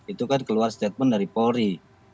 itu kan keluar statement dari polri